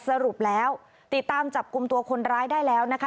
สรุปแล้วติดตามจับกลุ่มตัวคนร้ายได้แล้วนะคะ